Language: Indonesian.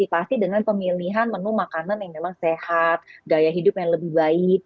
pasti dengan pemilihan menu makanan yang memang sehat gaya hidup yang lebih baik